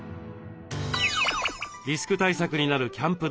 リスク対策になるキャンプ